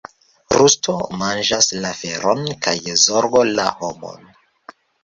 Rusto manĝas la feron, kaj zorgo la homon.